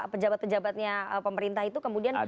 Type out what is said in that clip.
pejabat pejabatnya pemerintah itu kemudian